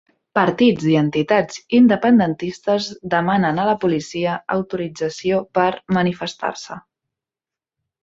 Partits i entitats independentistes demanen a la policia autorització per manifestar-se